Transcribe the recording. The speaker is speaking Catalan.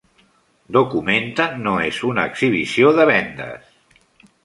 "Documenta" no és una exhibició de vendes.